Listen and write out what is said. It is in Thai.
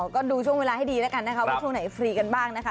ก็ดูช่วงเวลาให้ดีแล้วกันนะคะว่าช่วงไหนฟรีกันบ้างนะคะ